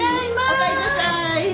おかえりなさい。